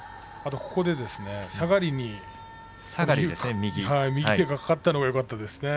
ここで下がりに右手がかかったのがよかったですね。